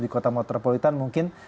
di kota metropolitan mungkin